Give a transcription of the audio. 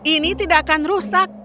ini tidak akan rusak